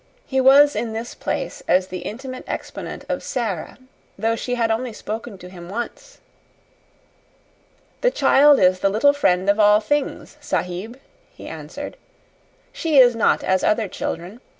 He was in this place as the intimate exponent of Sara, though she had only spoken to him once. "The child is the little friend of all things, Sahib," he answered. "She is not as other children.